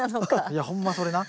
いやほんまそれな。